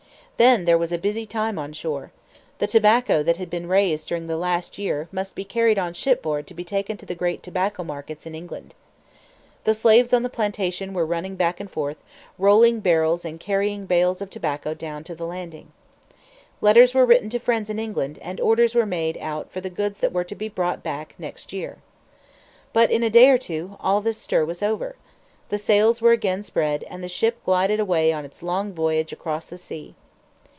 Then there was a busy time on shore. The tobacco that had been raised during the last year must be carried on shipboard to be taken to the great tobacco markets in England. The slaves on the plantation were running back and forth, rolling barrels and carrying bales of tobacco down to the landing. Letters were written to friends in England, and orders were made out for the goods that were to be brought back next year. But in a day or two, all this stir was over. The sails were again spread, and the ship glided away on its long voyage across the sea.